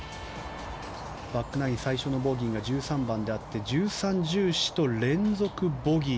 バックナイン最初のボギーが１３番であって１３、１４と連続ボギー。